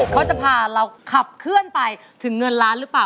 เขาจะพาเราขับเคลื่อนไปถึงเงินล้านหรือเปล่า